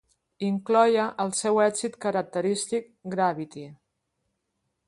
Incloïa el seu èxit característic, "Gravity".